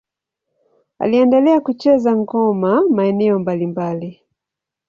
Aliendelea kucheza ngoma maeneo mbalimbali.